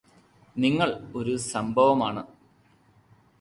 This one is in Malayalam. നിങ്ങൾ ഒരു സംഭവം ആണ്